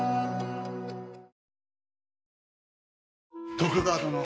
徳川殿。